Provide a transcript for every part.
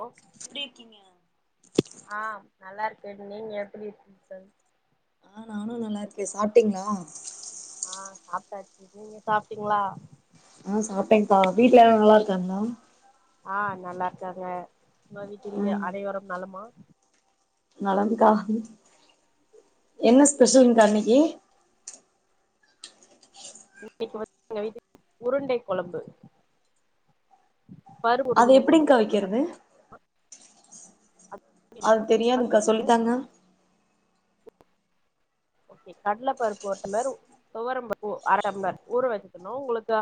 Hello எப்டி இருக்கீங்க ஆ நல்லா இருக்க நீங்க எப்டி இருக்கீங்கள் ஆ நானு நல்லா இருக்க சாப்ட்டீங்ளா அ சாப்ட்டாச்சி நீங்க சாப்ட்டீங்ளா அ சாப்ட்டேப்பா வீட்ல எல்லா நல்லா இருக்காங்ளா அ நல்லா இருக்காங்க நம்ம வீட்டில்யா அனைவரும் நலமா நலந்துக்கா என்ன ஸ்பெஷல்க்கா இன்னைக்கி இன்னைக்கு வந்து எங்க வீட்ல உருண்டைக் கொழம்பு பருப்பு அது உருண்டை கொழம்பு எப்டிங்க்கா வைக்கிறது அது தெரியாதுங்கா சொல்லித்தாங்க ஓகே கடல பருப்பு ஒரு டம்ளர் துவரம்பருப்பு அர டம்ளர் ஊற வச்சுக்கணு உங்களுக்கா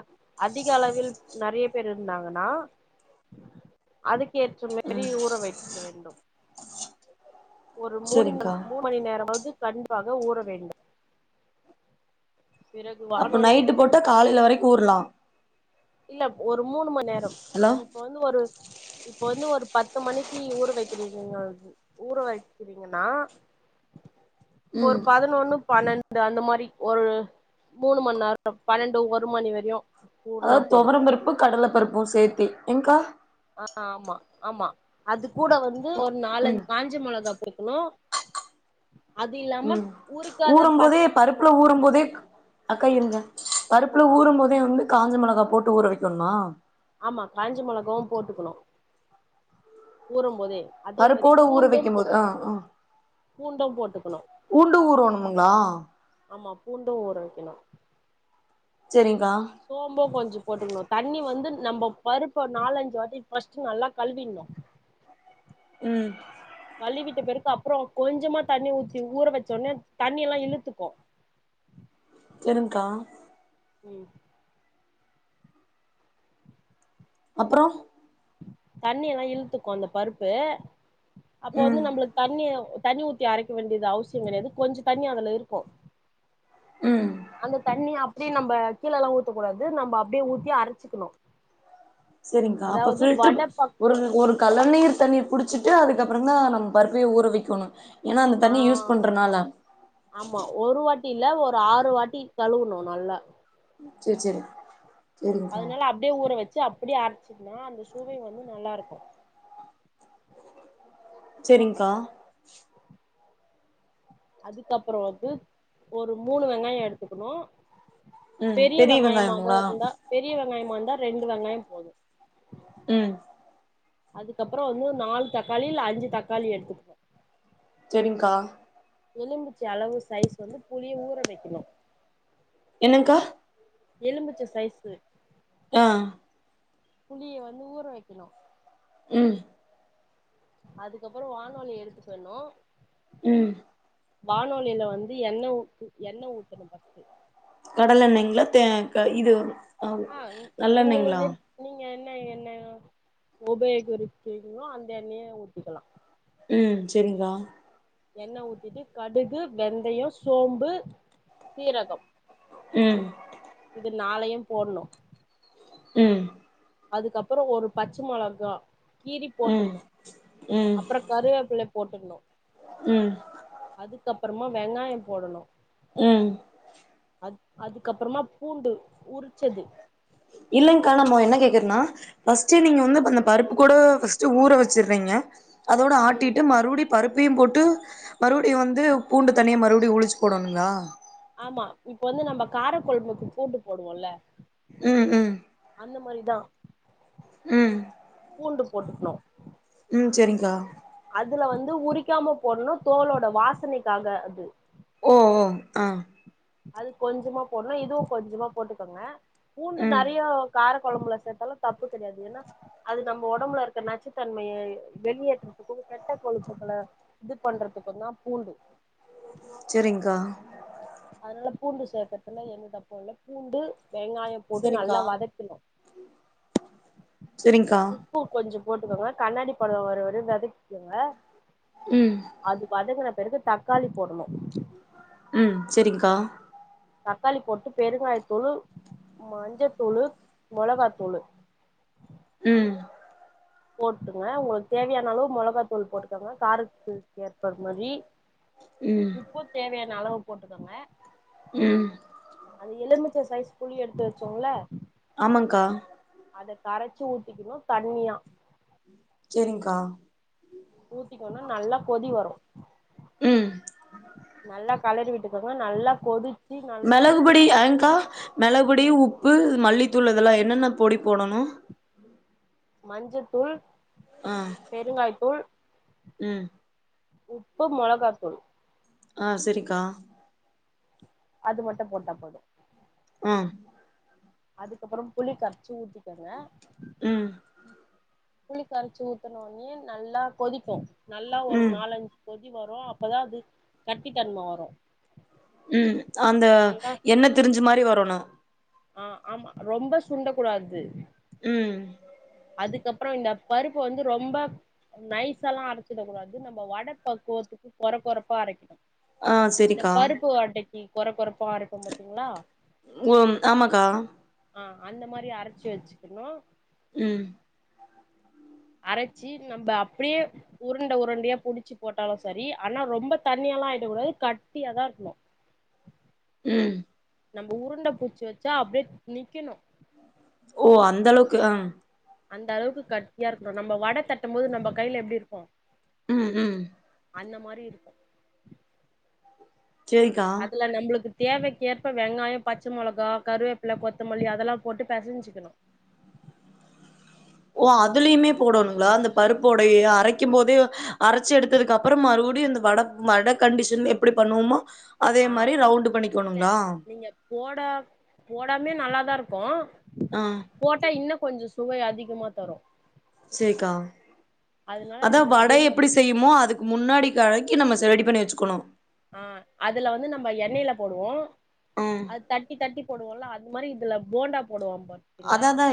அதிக அளவில் நெறைய பேர் இருந்தாங்கன்னா அதுக்கு ஏற்ற மேரி ஊற வச்சுக்க வேண்டும் ஒரு மூணி மணி செரிங்க்கா மூணு மணி நேரமாவது கண்டிப்பாக ஊற வேண்டும் பிறகு அப்போ வானொலி நைட்டு போட்டா காலையில வரைக்கு ஊறலா இல்ல ஒரு மூணும நேரோ ஹலோ இப்ப வந்து ஒரு இப்ப வந்து ஒரு பத்து மணிக்கி ஊற வைக்கிறீங்ன்னா ஊற வைக்கிறீங்கன்னா ஒரு ம் பதினொன்னு பன்னெண்ட் டு அந்த மாரி ஒரு மூணு மண் நேரோ பன்னண்டு ஒரு மணி வரையு ஊறனாப் தொவரம் பருப்பு கடல பருப்பு சேத்தி ஏங்க்கா அ ஆமா ஆமா அது கூட வந்து ஒரு நாலஞ்சு ம் காஞ் ச மொளகா சேக்கனு அது இல்லாம ஊரிக்காத பச் ஊறம்போதே பருப்புல ஊறம் போதேக் அக்கா இருங்க பருப்புல ஆ ஊறும்போதே வந்து காஞ்ச மொளகா போட்டு ஊற வெக்கணுமா ஆமா காஞ்ச மொளகாவு போட்டுக்கணு ஊறம் போதே அதே மாரி பருப்போட ஊற பூண்டு வைக்கும் போது ஆ போட்டுக்கணு ஆ பூண்டு போட்டுக்கணு பூண்டு ஊரோணும்முங்ளா ஆமா பூண்டு ஊற வக்கனு செரிங்கா சோம்பு கொஞ்சோ போட்டுக்ணு தண்ணி வந்து நம்ப பருப்ப நாலஞ்சு வாட்டி ஃபர்ஸ்ட் நல்லா கழுவிணு ம் கழுவிட்ட பிறகு அப்றோ கொஞ்சமா தண்ணி ஊத்தி ‌ஊற வச்சோனே தண்ணியல்லா இழுத்துக்கு இருங்க்கா ம் அப்பறோ தண்ணி எல்லா இழுத்துக்கு அந்த பருப்பு அப்ப ம் வந்து நம்பளுக்கு தண்ணி தண்ணி ஊத்தி அரைக்க வேண்டியது அவசிய கெடையாது கொஞ்ச தண்ணி அதுல இருக்கு ம் அந்த தண்ணி அப்டியே நம்ப கீழ எல்லா ஊத்த கூடாது நம்ம அப்டியே ஊத்தி அரச்சிக்கணு செரி்ங்கா அப்ப பில்ட்ரு வட பக் ஒரு ஒரு களநீர் தண்ணி புடிச்சிட்டு அதுக்கப்பறோ தா நம்ம பருப்பையு ஊற வக்கணு ஏன்னா அந்த ஆ தண்ணிய யூஸ் பண்றனால ஆமா ஒரு வாட்டி இல்ல ஒரு ஆறு வாட்டி கழுவணு நல்லா செர் செரி சேரிங்கக்கா அதனால அப்டியே ஊற வச்சு அப்டியே அரைச்சிக்னு அந்த சுவை வந்து நல்லா இருக்கு செரிங்க்கா அதுக்கப்பறோ வந்து ஒரு மூணு வெங்காய எடுத்துக்கணு ம் பெரிய வெங்காயமாக வெங்காயம்ங்களா இருந்தா பெரிய வெங்காயமா இருந்தா ரெண்டு வெங்காய போது ம் அதுக்கப்பறோ வந்து நாலு தக்காளி இல்ல அஞ்சு தக்காளி எடுத்துக்குனு செரி்ங்கா எலும்பிச்ச அளவு சைஸ் வந்து புளிய ஊற வக்கணு என்னங்க்கா எலும்பிச்ச சைஸு ஆ புளிய வந்து ஊற வக்கணு ம் அதுகப்பறோ வானொளிய எடுத்துக்கணு ம் வானொலியில வந்து எண்ணெ ஊ எண்ணெ ஊத்தணு ஃபஸ்ட்டு கடல எண்ணெய்ங்களா தே இது ஆ உங்களுக்கு நல்லெண்ணங்களா விரு நீங்க என்ன எண்ணெ உபயோகரிக்கிங்களோ அந்த எண்ணய ஊத்திகலா ம் செரிக்கா எண்ணெ ஊத்திட்டு கடுகு வெந்தய சோம்பு சீரகம் ம் இது நாளையு போட்ணு ம் அதுக்கப்பறோ ஒரு பச்ச மொளகா கீறி ம் போட்டுர்ணு ம் அப்பற கருவேப்பில போட்டணு ம் அதுக்கப்பறமா வெங்காய போடணு ம் அது அதுக்கப்பறமா பூண்டு உருச்சது இல்லங்கா நம்மா என்ன கேக்குறனா பஸ்ட்டு நீங்க வந்து ப அந்த பருப்பு கூட ஃபஸ்ட்டு ஊர வச்சுறீங்க அதோட ம் ஆட்டிட்டு மறுவடி பருப்பையு போட்டு மறுபடியு வந்து பூண்டு தனியா மறுபடி உழுச்சி போடணுங்ளா ஆமா இப்போ வந்து நம்ப காரக்கொழம்புக்கு பூண்டு போடுவோல்ல ம் ம் அந்த மாரிதா ம் பூண்டு போட்டுக்னு ம் சேரிங்க்கா அதுல வந்து உரிக்காம போடனு தோலோட வாசனைக்காக அது ஓ ஓ உம் அது கொஞ்சமா போடனு இதுவு கொஞ்சமா போட்டுக்கோங்க பூண்டு ம் நெறயா கார கொழம்புல சேத்தாலு தப்பு கெடயாது ஏன்னா அது நம்ம ஒடம்புல இருக்க நச்சுத்தன்மைய வெளியேற்றதுக்கு கெட்ட கொழுப்புகள இது பண்றதுக்கு தா பூண்டு செரிங்க்கா அதனால பூண்டு சேக்குறதுல எந்த தப்பு இல்ல பூண்டு வெங்காயம் போட்டு செரிங்க்கா நல்லா வதக்கனு செரிங்க்கா உப்பு கொஞ்சோ போட்டுக்கோங்க கண்ணாடி பதோ வர‌ வரைக் வதக்கிக்கோங்க உம் அது வதங்கன பெறகு தக்காளி போடனு உம் செரிங்க்கா தக்காளி போட்டு பெருங்காய தூளு மஞ்சத்தூளு மொளகா தூளு உம் போட்டுகோங்க ஒங்ளுக்கு தேவயான அளவு மெளகா தூள் போட்டுக்கோங்க காரத்துக்கு ஏற்ப மாரி ம் உப்பு தேவயான அளவு போட்டுக்கோங்க உம் அது எலுமிச்ச சைஸ் புளி எடுத்து வச்சோம்ல ஆமாங்க்கா அத கரச்சு ஊத்திக்கனு தண்ணியா சேரிங்க்கா ஊத்திக்கனு நல்லா கொதி வரு ம் நல்லா கலறி விட்டு கோங்க நல்லா கொதிச் மெளகு பொடி ஆங்க்கா மெளகுபொடி ஏங்க்கா மெளகுபொடி ம் உப்பு மல்லித்தூள் அதெல்லா என்னென்ன பொடி போடனு மஞ்சத்தூள் ஆ பெருங்காயத்தூள் உம் உப்பு மொளகாத்தூள் ஆ செரிக்கா அது மட்டு போட்டா போது உம் அதுக்கப்பறோ புளி கரச்சு ஊத்திக்கோங்க உம் புளி கரச்சி ஊத்தனோனே நல்லா கொதிக்கு நல்லா ஒரு ம் நாலஞ் கொதி வரு அப்போதா அது கட்டி தன்ம வரு உ அந்த நல்லா எண்ண திரிஞ்ச மாரி வரணு ஆ ஆமா ரொம்ப சுண்ட குடாது உ அதுக்கப்புறோ இந்த பருப்பு வந்து ரொம்ப நைசாலா அரச்சிடகூடாது நம்ம வட பக்குவத்துக்கு கொற கொறப்பா அரைக்கணு ஆ இந்த செரிக்கா பருப்பு வடைக்கு கொற கொறப்பா அரைப்போ பார்த்தீங்களா உ ஆமாக்கா ஆ அந்த மாரி அரச்சு வச்சுக்கணு உ அரச்சு நம்ம அப்டியே உருண்ட உருண்டயா புடிச்சு போட்டாலு சரி ஆனா ரொம்ப தண்ணியாலா ஆயிடகூடாது கட்டியாதா இருக்கணு உ நம்ம உருண்ட புட்ச்சு வச்சா அப்டியே நிக்கணு ஓ அந்த அளவுக்கு ஆ அந்த அளவுக்கு கட்டியா இருக்கனு நம்ம வட தட்டும்போது நம்ம கைல எப்டி இருப்போ ம் ம் அந்த மாரி இருக்கு செரிக்கா அதுல நம்லுக்கு தேவைக்கேற்ப வெங்காயோ பச்ச மொளகா கருவேப்பில கொத்தமல்லி அதெல்லா போட்டு பெசஞ்சுக்கணு ஓ அதுலயுமே போடணுங்களா அந்த பருப்புவடைய அரை க்கும் போதே அரச்சி எடுத்ததுக்கப்புறமா மறுபடியு அந்த வட வட கண்டிஷன்ல எப்டி பண்ணுவோமோ அதே மாரி ரவுண்டு் பண்ணிக்கணுங்ளா போடா போடாமே நல்லாதா ருக்கு ஆ போட்டா இன்னு கொஞ்ச சுவை அதிகமா தரு சேக்கா அதனால அதா நீங்க அதே வடை மாரி எப்டி செய்யிவ் மோ அதுக்கு முன்னாடி கழக்கி நம்ம செ ரெடி பண்ணி வச்சுக்கணு ஆ அதுல வந்து நம்ம எண்ணைல போடுவோ ம். அது தட்டி தட்டி போடுவோல அது மாரி இதுல போண்டா போடுவா [unintelligible] அத தா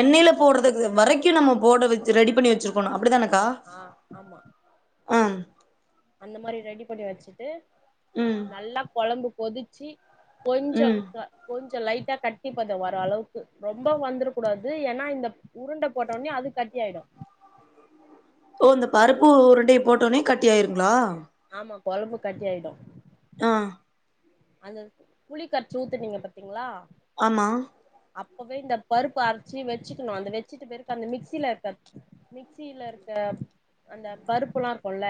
எண்ணய்ல போடுறதுக்கு வரைக்கு நம்ம போட ரெடி பண்ணி வச்சிருக் கோனு அப்டித்தானக்கா ஆ உ அந்தமாரி ரெடி பண்ணி வச்சுட்டு ம். நல்லா கொழம்பு கொதிச்சி கொஞ்சோ ம். த கொஞ்ச லைட்டா கட்டிப்பதோ வர அளவுக்கு ரொம்ப வந்துர கூடாது ஏன்னா இந்த உருண்ட போட்டோனே அது கட்டி ஆயிடு ஓ இந்த பருப்பு உருண்டைய போட்டோனே கட்டி ஆயிருங்களா ஆமா கொழம்பு கட்டி ஆயிடு ஆ அந்த புளிக்கரச்சி ஊத்துனீங்க பாத்தீங்களா ஆமா அப்பவே இந்த பருப்பு அரச்சு வச்சுக்கணு அந்த வச்சுட்டு பெரக்கு அந்த மிக்சில இர்க மிக்சில அரச்ச அந்த பருப்புல்லா இருக்குல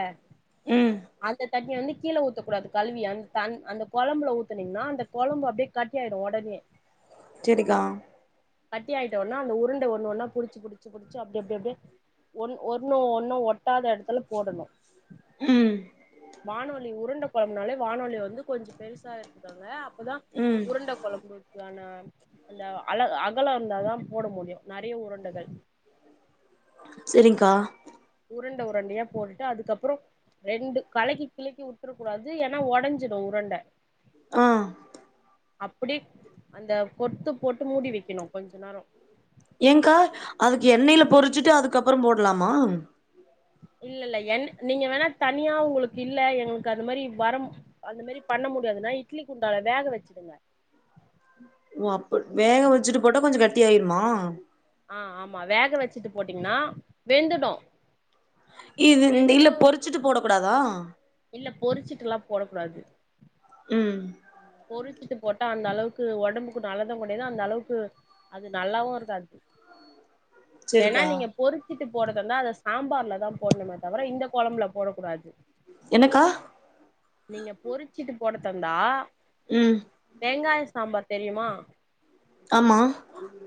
ம். அந்த தண்ணிய வந்து கீழ ஊத்தக்க கூடாது கலுவி அந்த தன் அந்த கொழம்பல ஊத்தினீங்னா அந்த கொழம்பு அப்டியே கட்டி ஆய்டு ஒடனே சேரிக்கா கட்டி ஆய்ட்டோனா அந்த உருண்ட ஒன்னு ஒன்னா புடிச்சு புடிச்சு புடிச்ச அப்டி அப்டி அப்டி ஒன் ஒன்னு ஒன்னு ஒட்டாத எடத்துல போடணு ம். வானவலி உருண்ட பண்ணாலே வானவலி வந்து கொஞ்சோ பெருசா எடுத்துக்கோங்க அப்பதா ம் உருண்ட கொழம்புக்கான அந்த அள அகலோ இருந்தாதா போட முடியு நெறைய உருண்டுகள் செரிங்கா உருண்ட உருண்டியா போட்டுட்டு அதுக்கப்புறோ ரெண்டு கலக்கி கிலக்கி உட்ற கூடாது ஏனா ஒடஞ்சிடு உருண்ட ஆ அப்புடி அந்த கொத்து போட்டு மூடி வைக்கணு கொஞ்ச நேரோ ஏன்க்கா அதுக்கு எண்ணெய்ல பொறிச்சுட்டு அதுக்கப்புறோ போட்லாமா இல்லல்ல எண் நீங்க வேணா தனியா உங்குளுக்கு இல்ல எங்ளுக்கு அது மாரி வர அந்த மாரி பண்ண முடியாதுனா இட்லி குண்டால வேக வச்சிடுங்க ஓ அப்புட் வேக வச்சுட்டு போட்டா கொஞ்சோ கட்டி ஆய்ருமா ஆ ஆமா வேக வச்சுட்டு போட்டீங்னா வெந்துடு இது வெந்துட்டு எண்ணெய்ல பொறிச்சுட்டு போட கூடாதா இல்ல பொறிச்சுட்டுல்லா போடக்கூடாது ம் பொறிச்சிட்டு போட்டா அந்த அளவுக்கு ஒடம்புக்கு நல்லது கெடயாது அந்த அளவுக்கு அது நல்லாவு இருக்காது வேணா செரிக்கா நீங்க பொறிச்சிட்டு போடுறதர்ந்தா அத சாம்பார்லதா போட்ணுமே தவர இந்த கொழம்புல போடக்கூடாது என்னக்கா நீங்க பொறிச்சிட்டு போடத்தந்தா ம் வெங்காயோ சாம்பார் தெரியுமா ஆமா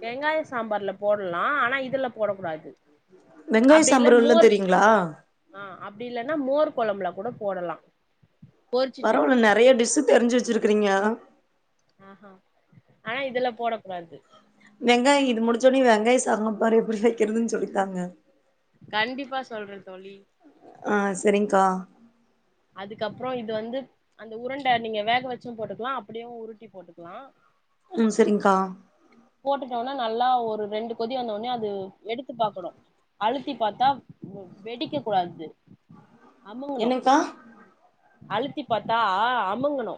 வெங்காய சாம்பார்ல போட்லா ஆனா இதுல போடக்கூடாது வெங்காய அப்டி இல்ல சாம்பார்ல்லா மோர் தெரியுங்களா ஆ அப்டி இல்லனா மோர் கொழம்புல கூட போடலா பொறிச்சிட்டு பரவால்ல நெறையா டிஷ்ஷு தெரிஞ்சு வச்சுருக்குறீங்ளா ஆ ஹ ஆ இதுல போடக்கூடாது வெங்காயோ இது முடிச்சோனே வெங்காய சாம்பார் எப்டி வக்கிறதுன் சொல்லித்தாங்க கண்டிப்பா சொல்ற தோழி ஆ செரிங்க்கா அதுக்கப்றோ இது வந்து அந்த உருண்ட நீங்க வேக வச்சு போட்டுக்லா அப்புடியு உருட்டி போட்டுக்குலா ம் செரி்ங்க்கா போட்டுட்டோனா நல்லா ஒரு ரெண்டு கொதி வந்தோனே அது எடுத்து பாக்கணு அழுத்தி பாத்தா வ வெடிக்க கூடாது அமுங்குணு என்னங்க்கா அழுத்தி பாத்தா அமுங்குணு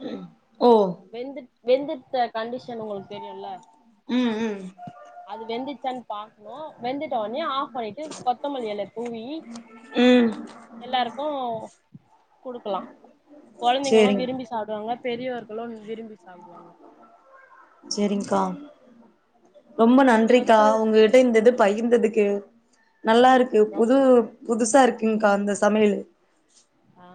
ஓ வெந்துட் வெந்துட்ட கண்டிஷன் உங்களுக் தெரியுல ம் ம் அது வெந்துன்ச்சான் பாக்கணு வெந்துட்டோனே ஆஃப் பண்ணிட்டு கொத்தமல்லியெல தூவி ம் எல்லாருக்கு குடுக்கலா கொழந்தைங்களா சேரிங் விரும்பிஸ் சாப்டுவாங்க பெரியவர்களு விரும்பி சாப்டுவாங்க செரிங்க்கா ரொம்ப இதுக்கு நன்றிக்கா வந்து உங்ககிட்ட இந்த இது ஆ பகிர்ந்ததுக்கு நல்லா இருக்கு ரொம்ப புது புதுசா இருக்குங்க்கா அந்த சமையலு ஆ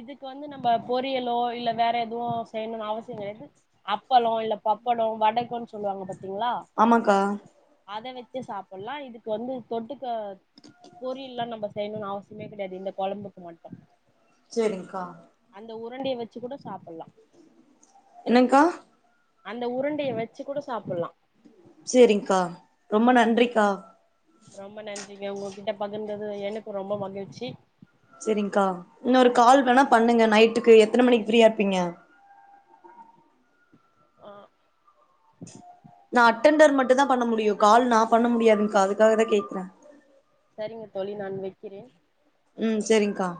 இதுக்கு வந்து நம்ம பொரியலோ இல்ல வேற எதுவு செய்யணுனு அவசியம் கடையாது அப்பளோ இல்ல பப்படோ வடக்குன்னு சொல்லுவாங்க பாத்தீங்களா ஆமாக்கா அத வச்சு சாப்புட்லா இதுக்கு வந்து தொட்டுக்க பொரியல்லா நம்ப செய்யணுனு அவசியமே கடையாது இந்த கொழம்புக்கு மட்டு சேரிங்க்கா அந்த உருண்டைய வச்சு கூட சாப்புட்லா என்னங்க்கா அந்த உருண்டய வச்சு கூட சாப்புட்லா சேரிங்க்கா, ரொம்ப நன்றிக்கா ரொம்ப நன்றிங்க ஒங்ககிட்ட பகிர்ந்தது எனக்கு ரொம்ப மகிழ்ச்சி செரிங்க்கா இன்னொரு ஒரு கால் வேணா பண்ணுங்க நைட்டுக்கு எத்தன மணிக்கு ஃப்ரீயா இருப்பீங்க ஆ நா அட்டண்டர் மட்டுந்தா பண்ண முடியு, நான் கால் நா பண்ண முடியாதுங்க்கா அதுக்காகதா கேக்ற சரிங்க தோழி நான் வைக்கிறேன் ம் சேரிங்க்கா